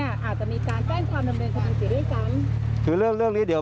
อาจจะมีการแจ้งความดำเนินการเสียด้วยซ้ำคือเรื่องเรื่องนี้เดี๋ยว